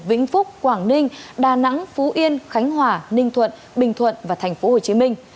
vĩnh phúc quảng ninh đà nẵng phú yên khánh hòa ninh thuận bình thuận và tp hcm